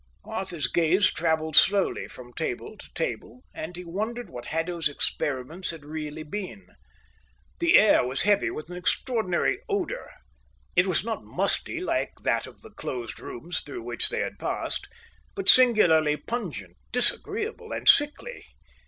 Arthur's gaze travelled slowly from table to table, and he wondered what Haddo's experiments had really been. The air was heavy with an extraordinary odour: it was not musty, like that of the closed rooms through which they had passed, but singularly pungent, disagreeable and sickly.